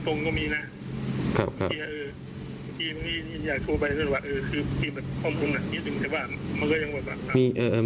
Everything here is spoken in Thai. อยากโทรไปกันว่าความรู้หนักนิดนึงแต่ว่ามันก็ยังแบบ